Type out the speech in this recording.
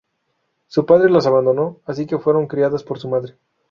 Su padre las abandonó, así que fueron criadas por su madre.